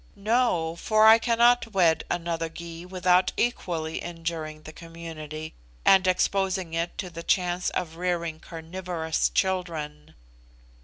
"No; for I cannot wed another Gy without equally injuring the community, and exposing it to the chance of rearing carnivorous children."